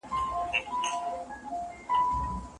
ښکارپورۍ زنه دې په ټوله انډيا کې نشته